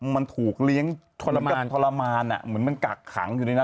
มันถูกเลี้ยงแล้วก็ทรมานเหมือนมันกักขังอยู่ในนั้น